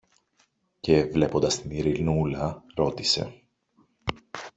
Και, βλέποντας την Ειρηνούλα, ρώτησε